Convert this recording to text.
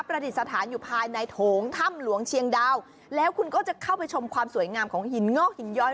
ดิษฐานอยู่ภายในโถงถ้ำหลวงเชียงดาวแล้วคุณก็จะเข้าไปชมความสวยงามของหินงอกหินย้อย